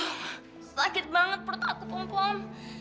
aduh sakit banget perut aku pom pom